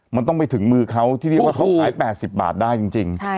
มันต้องไปถึงมือเขาที่เรียกว่าเขาขาย๘๐บาทได้จริง